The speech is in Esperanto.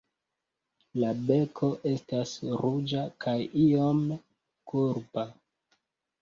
La beko estas ruĝa kaj iome kurba.